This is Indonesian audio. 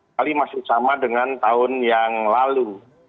kali masih sama dengan tahun yang lalu